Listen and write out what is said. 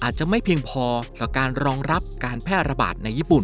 อาจจะไม่เพียงพอกับการรองรับการแพร่ระบาดในญี่ปุ่น